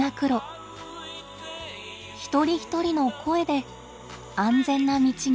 一人一人の声で安全な道に。